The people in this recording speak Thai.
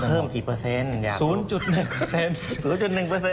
เพิ่มกี่เปอร์เซ็นต์อยากรู้๐๑เปอร์เซ็นต์๐๑เปอร์เซ็นต์